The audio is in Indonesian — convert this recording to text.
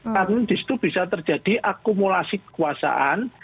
karena di situ bisa terjadi akumulasi kekuasaan